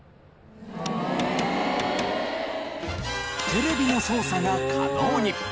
テレビの操作が可能に。